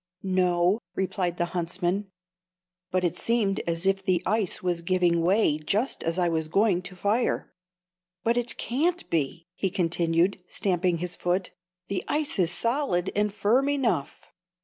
"No," replied the huntsman; "but it seemed as if the ice was giving way just as I was going to fire. But it can't be," he continued, stamping his foot; "the ice is solid and firm enough."